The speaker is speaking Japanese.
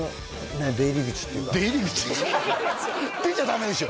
出ちゃダメでしょ